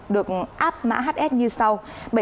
được áp mã hs như sau